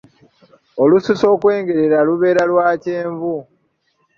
Olususu okwengerera, lubeera lwa kyenvu.